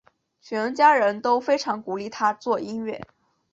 全家人都非常鼓励他做音乐。